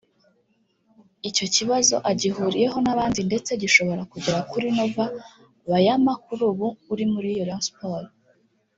Icyo kibazo agihuriyeho n’abandi ndetse gishobora kugera kuri Nova Bayama kuri ubu uri muri Rayon Sports